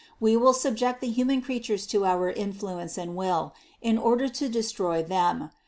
We will subject the human creatures to our influence and will, in order to destroy them.